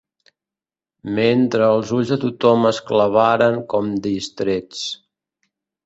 ...mentre els ulls de tothom es clavaren com distrets